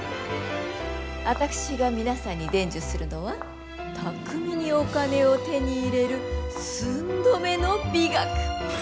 私が皆さんに伝授するのは巧みにお金を手に入れる寸止めの美学。